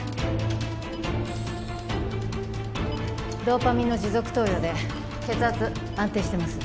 ドーパミンの持続投与で血圧安定してます。